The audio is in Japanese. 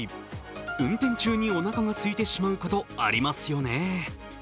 運転中におなかがすいてしまうこと、ありますよね。